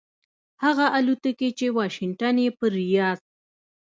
هغه الوتکې چې واشنګټن یې پر ریاض